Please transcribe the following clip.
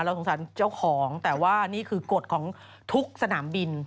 สงสารเจ้าของแต่ว่านี่คือกฎของทุกสนามบิน